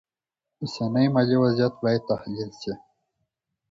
اوسنی مالي وضعیت باید تحلیل شي.